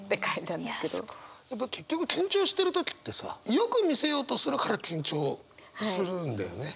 結局緊張してる時ってさよく見せようとするから緊張するんだよね。